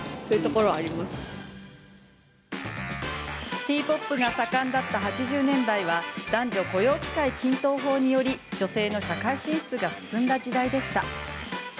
シティ・ポップが盛んだった８０年代は男女雇用機会均等法により女性の社会進出が進んだ時代でした。